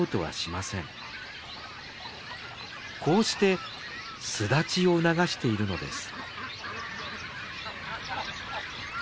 こうして巣立ちを促しているのです。